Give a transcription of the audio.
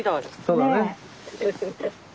そうだね。